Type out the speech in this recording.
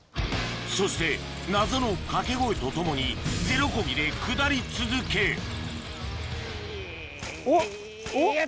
そして謎の掛け声とともに０コギで下り続けいぃよっ！